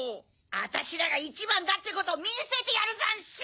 あたしらがいちばんだってことみせてやるざんす！